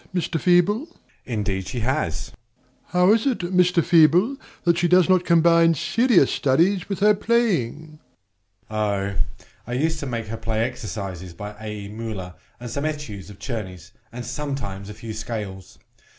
MR. FEEBLE. Indeed she has! DOMINIE. How is it, Mr. Feeble, that she does not combine serious studies with her playing? MR. FEEBLE. Oh! I used to make her play exercises by A.E. Mueller, and some Etudes of Czerny's, and sometimes a few scales.